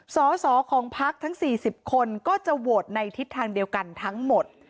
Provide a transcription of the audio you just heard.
สอสอของพักทั้ง๔๐คนก็จะโหวตในทิศทางเดียวกันทั้งหมด